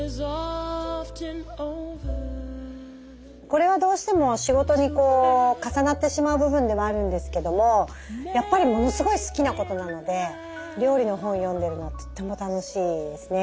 これはどうしても仕事に重なってしまう部分でもあるんですけどもやっぱりものすごい好きなことなので料理の本を読んでるのはとっても楽しいですね。